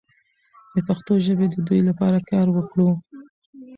د پښتو ژبې د ودې لپاره کار وکړو.